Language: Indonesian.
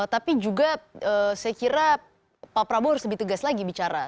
tapi juga saya kira pak prabowo harus lebih tegas lagi bicara